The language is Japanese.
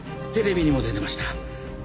テレビにも出てました。